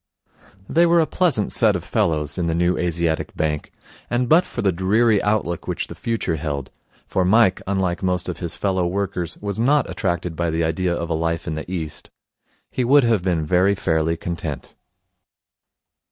They were a pleasant set of fellows in the New Asiatic Bank, and but for the dreary outlook which the future held for Mike, unlike most of his follow workers, was not attracted by the idea of a life in the East he would have been very fairly content.